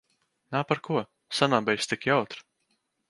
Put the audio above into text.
Nav par ko. Sen nav bijis tik jautri.